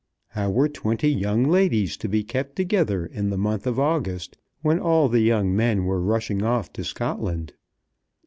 How were twenty young ladies to be kept together in the month of August when all the young men were rushing off to Scotland?